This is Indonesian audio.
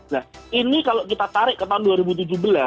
nah ini kalau kita tarik ke tahun dua ribu tujuh belas